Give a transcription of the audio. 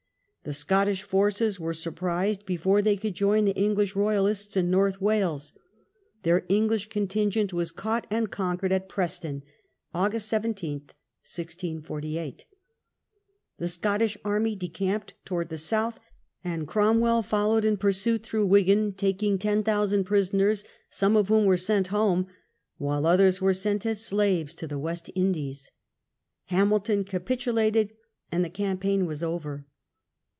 The Scottish forces were sur prised before they could join the English royalists in North Wales. Their English contingent was caught and conquered at Preston (August 17, 1648). The Scottish army decamped towards the South, and Cromwell fol lowed in pursuit through Wigan, taking 10,000 prisoners, some of whom were sent home, while others were sent as slaves to the West Indies. Hamilton capitulated, and the campaign was over.